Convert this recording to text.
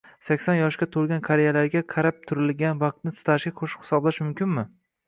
sakson yoshga to‘lgan qariyalarga qarab turilgan vaqtni stajga qo‘shib hisoblash mumkinmi?